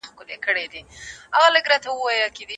د نوي کال مراسم ترسره کیدل.